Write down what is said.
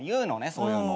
そういうの。